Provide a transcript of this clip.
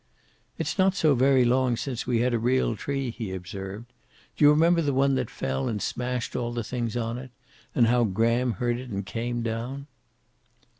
"It's not so very long since we had a real tree," he observed. "Do you remember the one that fell and smashed all the things on it? And how Graham heard it and came down?"